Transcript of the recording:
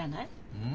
うん？